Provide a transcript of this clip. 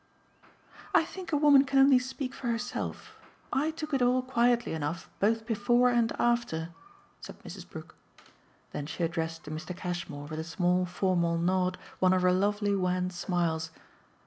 "I think a woman can only speak for herself. I took it all quietly enough both before and after," said Mrs. Brook. Then she addressed to Mr. Cashmore with a small formal nod one of her lovely wan smiles.